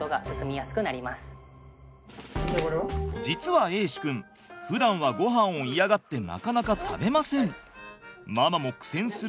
実は瑛志くんふだんはごはんを嫌がってなかなか食べません。